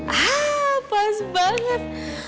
ah pas banget